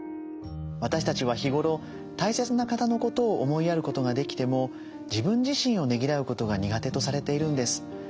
私たちは日頃大切な方のことを思いやることができても自分自身をねぎらうことが苦手とされているんです。